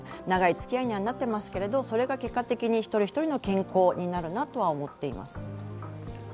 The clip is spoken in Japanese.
長いつきあいにはなってますけど、それが結果的に１人１人の健康になるなと思っています。